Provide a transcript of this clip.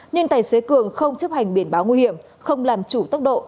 nhưng tài xế cường không chấp hành biển báo nguy hiểm không làm chủ tốc độ